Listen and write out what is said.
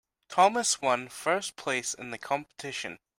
Thomas one first place in the competition.